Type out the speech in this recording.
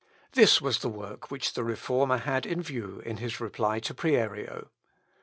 This was the work which the Reformer had in view in his reply to Prierio.